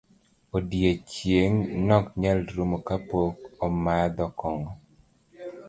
Odiochieng' nok nyal rumo kapok omadho kong'o.